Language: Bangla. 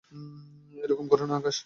এরকম করোনা, আকাশ।